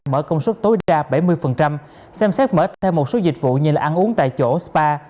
mở công suất tối đa bảy mươi xem xét mất theo một số dịch vụ như ăn uống tại chỗ spa